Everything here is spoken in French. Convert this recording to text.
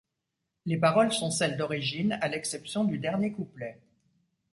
Les paroles sont celles d'origine à l'exception du dernier couplet.